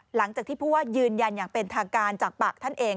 หลังจากที่ผู้ว่ายืนยันอย่างเป็นทางการจากปากท่านเอง